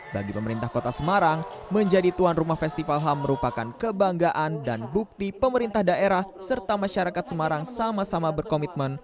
bagi pemerintah kota semarang menjadi tuan rumah festival ham merupakan kebanggaan dan bukti pemerintah daerah serta masyarakat semarang sama sama berkomitmen